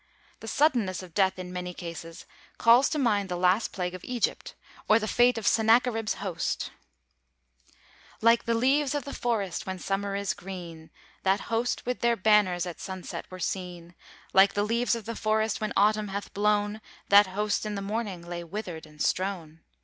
The suddenness of death in many cases calls to mind the last plague of Egypt, or the fate of Sennacherib's host: "Like the leaves of the forest, when summer is green, That host with their banners at sunset were seen; Like the leaves of the forest, when autumn hath blown, That host in the morning lay withered and strown.